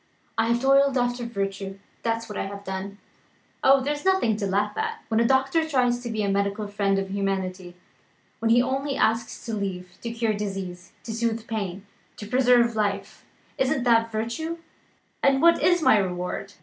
I have toiled after virtue that's what I have done. Oh, there's nothing to laugh at! When a doctor tries to be the medical friend of humanity; when he only asks leave to cure disease, to soothe pain, to preserve life isn't that virtue? And what is my reward?